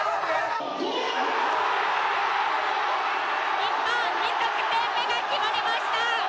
日本２得点目が決まりました。